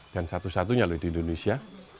dan satu satunya di indonesia